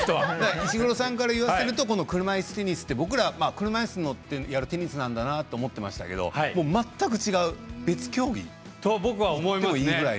石黒さんからすると車いすテニスって僕ら、車いす乗ってやるテニスなんだなと思ってたんですけど全く違う、別競技といってもいいくらい。